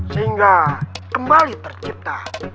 sehingga kembali tercipta